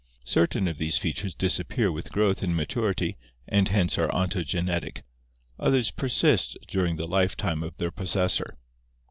Certain of these features disappear with growth and maturity and hence are ontogenetic, others persist during the life time of their possessor.